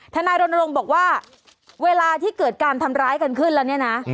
นายรณรงค์บอกว่าเวลาที่เกิดการทำร้ายกันขึ้นแล้วเนี่ยนะ